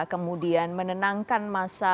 kemudian menenangkan masa